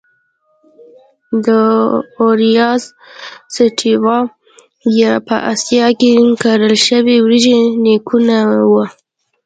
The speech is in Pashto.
د Oryza sativa یا په اسیا کې کرل شوې وریجې نیکونه وو.